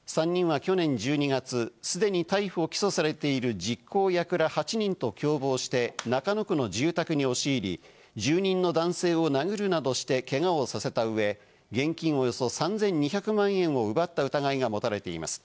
３人は去年１２月、既に逮捕・起訴されている実行役ら８人と共謀して、中野区の住宅に押し入り、住人の男性を殴るなどして、けがをさせたうえ、現金およそ３２００万円を奪った疑いが持たれています。